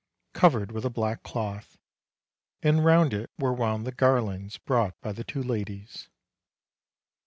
covered with a black cloth, and round it were wound the garlands brought by the two ladies.